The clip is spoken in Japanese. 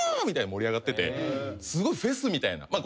みたいに盛り上がっててすごいフェスみたいな。